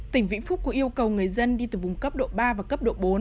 tỉnh vĩnh phúc cũng yêu cầu người dân đi từ vùng cấp độ ba và cấp độ bốn